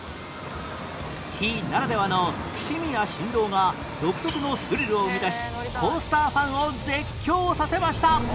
木ならではのきしみや振動が独特のスリルを生み出しコースターファンを絶叫させました